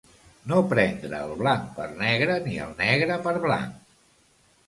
No prendre el blanc per negre, ni el negre per blanc.